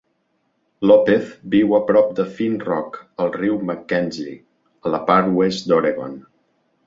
López viu a prop de Finn Rock al riu McKenzie, a la part oest d'Oregon.